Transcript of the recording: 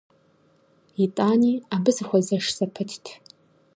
ИтӀани абы сыхуэзэш зэпытт.